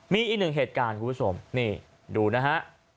มีอีกหนึ่งเหตุการณ์คุณผู้ชมนี่ดูนะฮะ